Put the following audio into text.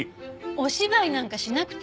お芝居なんかしなくていいから。